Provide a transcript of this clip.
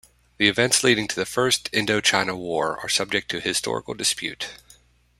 The events leading to the First Indochina War are subject to historical dispute.